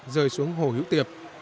rời xuống hồ hiếu tiệp